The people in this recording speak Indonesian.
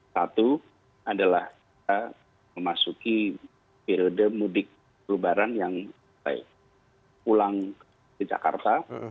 satu adalah kita memasuki periode mudik lebaran yang baik pulang ke jakarta